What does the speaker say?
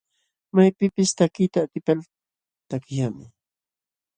Maypipis takiyta atipal takiśhaqmi.